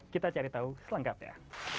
kita cari tau selengkapnya